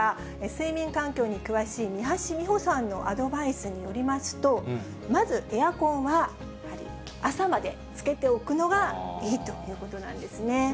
睡眠環境に詳しい三橋美穂さんのアドバイスによりますと、まずエアコンはやはり朝までつけておくのがいいということなんですね。